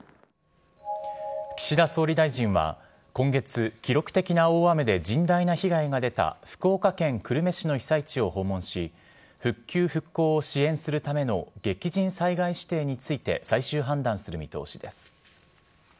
岸田総理大臣は今月、記録的な大雨で甚大な被害が出た福岡県久留米市の被災地を訪問し復旧・復興を支援するための激甚災害指定について最終判断する見通しです。